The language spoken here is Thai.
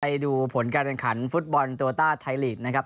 ไปดูผลการแข่งขันฟุตบอลโตต้าไทยลีกนะครับ